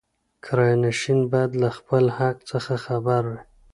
کرایه نشین باید له خپل حق څخه خبر وي.